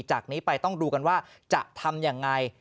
จากนี้ไปต้องดูกันว่าจะทำยังไง